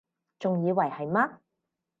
仲以為係乜????